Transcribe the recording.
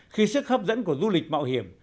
khi sức hấp dẫn của du lịch mạo hiểm